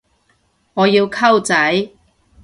我要溝仔